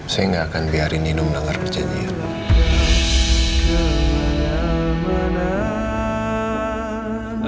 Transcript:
saya gak akan biarin rina menanggar perjanjian